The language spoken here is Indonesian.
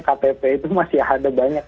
ktp itu masih ada banyak